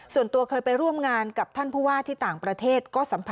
ส่วนตัวเคยไปร่วมงานกับท่านผู้ว่าที่ต่างประเทศก็สัมผัส